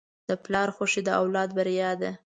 د پلار خوښي د اولاد بریا ده.